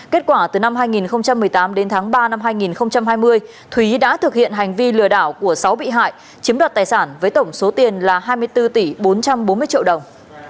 kết quả từ năm hai nghìn một mươi tám đến tháng ba năm hai nghìn hai mươi thúy đã thực hiện hành vi lừa đảo của sáu bị hại chiếm đoạt tài sản với tổng số tiền là hai mươi bốn tỷ bốn trăm bốn mươi triệu đồng